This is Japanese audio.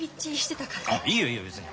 あっいいよいいよ別に。